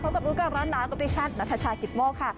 สวัสดีค่ะพบกับอุลการณ์ร้านน้ำกระปุฏิชันนาฏชากิตโม่ค่ะ